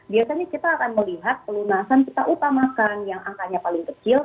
biasanya kita akan melihat pelunasan kita upamakan yang angkanya paling kecil